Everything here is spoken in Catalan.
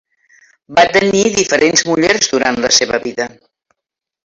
Va tenir diferents mullers durant la seva vida.